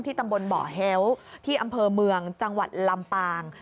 ตำบลบ่อแฮ้วที่อำเภอเมืองจังหวัดลำปาง